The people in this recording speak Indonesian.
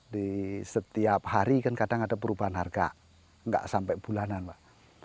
di setiap hari kan kadang ada perubahan harga nggak sampai bulanan pak